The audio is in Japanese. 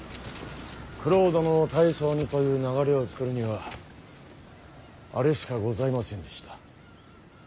九郎殿を大将にという流れを作るにはあれしかございませんでした。